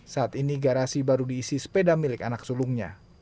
saat ini garasi baru diisi sepeda milik anak sulungnya